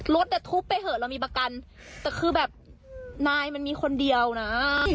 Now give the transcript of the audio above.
รถอ่ะทุบไปเถอะเรามีประกันแต่คือแบบนายมันมีคนเดียวนะ